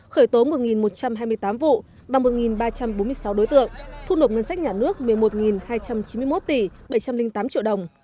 khởi tố một một trăm hai mươi tám vụ và một ba trăm bốn mươi sáu đối tượng thu nộp ngân sách nhà nước một mươi một hai trăm chín mươi một tỷ bảy trăm linh tám triệu đồng